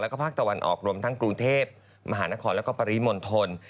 แล้วก็ภาคตะวันออกรวมทั้งกรุงเทพมหานครแล้วก็ปริมณฑล